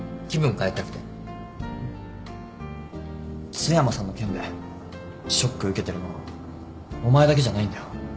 津山さんの件でショック受けてるのお前だけじゃないんだよ。